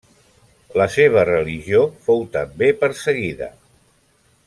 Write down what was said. La seva religió fou també perseguida.